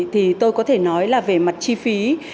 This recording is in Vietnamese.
thì tôi có thể nói là về mặt chi phí